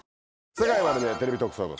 『世界まる見え！テレビ特捜部』